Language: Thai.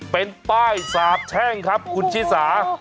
เป็นป้ายสาบแช่งครับคุณชิสา